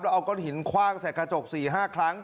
เอาก้อนหินคว่างใส่กระจก๔๕ครั้ง